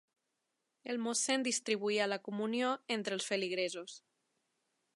El mossèn distribuïa la comunió entre els feligresos.